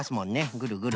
ぐるぐる。